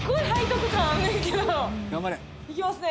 いきますね。